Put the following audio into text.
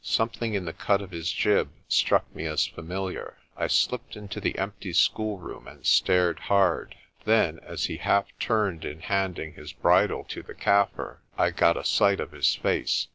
Something in the cut of his jib struck me as familiar. I slipped into the empty schoolroom and stared hard. Then, as he half turned in handing his bridle to the Kaffir, I got a sight of his face.